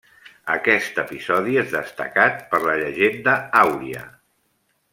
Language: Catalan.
Aquest episodi és destacat per la Llegenda àuria.